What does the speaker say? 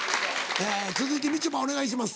続いてみちょぱお願いします。